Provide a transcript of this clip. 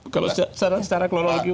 kalau secara kronologi waktu